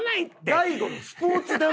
「大悟のスポーツ魂」